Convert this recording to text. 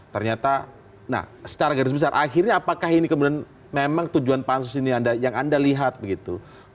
ternyata nah secara garis besar akhirnya apakah ini kemudian memang tujuan pansus ini yang anda lihat begitu